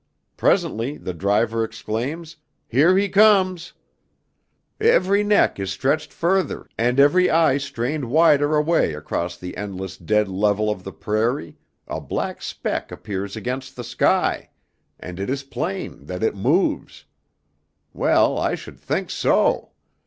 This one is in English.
Presently the driver exclaims: "Here he comes!" Every neck is stretched further and every eye strained wider away across the endless dead level of the prairie, a black speck appears against the sky, and it is plain that it moves. Well I should think so!